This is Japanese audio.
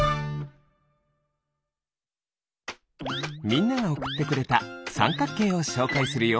みんながおくってくれたさんかくけいをしょうかいするよ。